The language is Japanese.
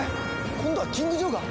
今度はキングジョーが！？